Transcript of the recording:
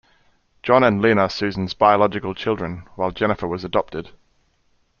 John and Lynn are Susan's biological children, while Jennifer was adopted.